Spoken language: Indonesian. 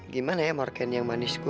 gimana ya marken yang manisku